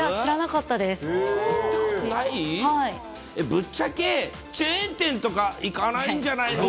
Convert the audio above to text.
ぶっちゃけ、チェーン店とか行かないんじゃないの？